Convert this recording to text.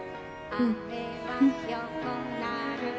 うん。